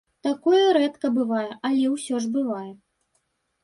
Такое рэдка бывае, але ўсё ж бывае.